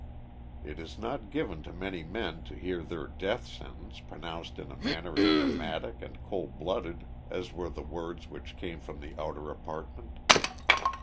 It is not given to many men to hear their death sentence pronounced in a manner as dramatic and cold blooded as were the words which came from the outer apartment.